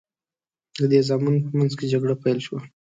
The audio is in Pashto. د دې زامنو په منځ کې جګړه پیل شوه.